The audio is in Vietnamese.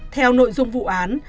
theo nội dung vụ án